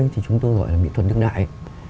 thì chúng tôi gọi là nghệ thuật nước đại